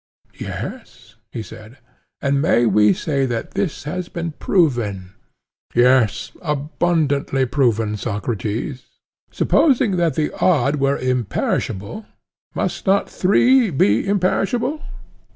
Yes, he said. And may we say that this has been proven? Yes, abundantly proven, Socrates, he replied. Supposing that the odd were imperishable, must not three be imperishable?